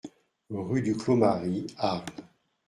Rue du Clos Marie, Arles